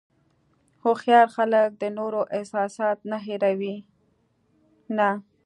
هوښیار خلک د نورو احساسات نه هیروي نه.